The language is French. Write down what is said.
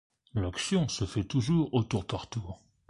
L'action se fait toujours au tour par tour.